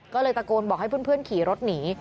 ก็เลยตะโกนบอกให้เพื่อนขี่รถหนี